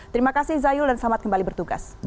terima kasih zayul dan selamat kembali bertugas